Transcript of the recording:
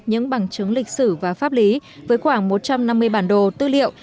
những bằng chứng lịch sử và pháp lý với khoảng một trăm năm mươi bản đồ tư liệu